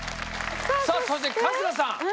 さあそして春日さん